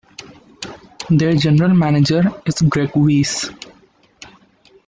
Their general manager is Greg Weis.